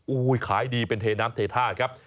โอ้โหขายดีเป็นเทน้ำเทท่าครับ